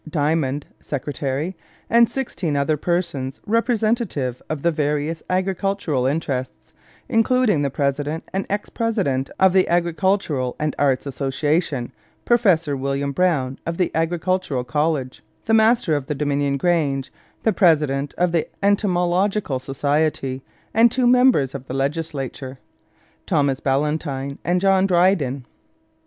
Dymond (secretary), and sixteen other persons representative of the various agricultural interests, including the president and ex president of the Agricultural and Arts Association, Professor William Brown of the Agricultural College, the master of the Dominion Grange, the president of the Entomological Society, and two members of the legislature, Thomas Ballantyne and John Dryden.